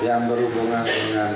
yang berhubungan dengan